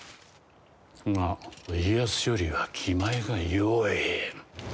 が家康よりは気前がよい。